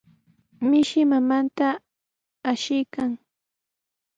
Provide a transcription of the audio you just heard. Mishi mamanta ashiykan.